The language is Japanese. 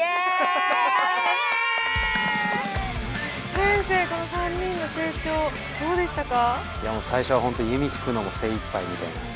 先生この３人の成長どうでしたか？